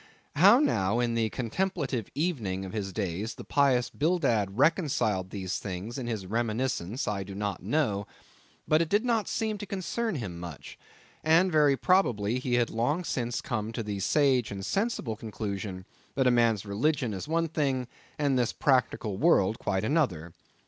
How now in the contemplative evening of his days, the pious Bildad reconciled these things in the reminiscence, I do not know; but it did not seem to concern him much, and very probably he had long since come to the sage and sensible conclusion that a man's religion is one thing, and this practical world quite another.